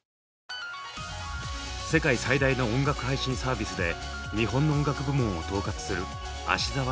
世界最大の音楽配信サービスで日本の音楽部門を統括する芦澤紀子さん。